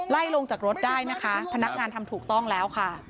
ไล่ลงจากรถได้นะคะพนักงานทำถูกต้องแล้วค่ะ